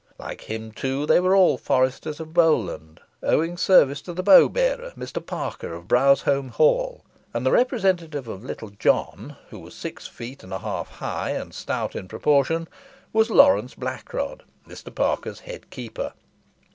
Like him, too, they were all foresters of Bowland, owning service to the bow bearer, Mr. Parker of Browsholme hall; and the representative of Little John, who was six feet and a half high, and stout in proportion, was Lawrence Blackrod, Mr. Parker's head keeper.